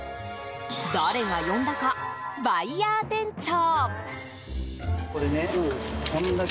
誰が呼んだか、バイヤー店長。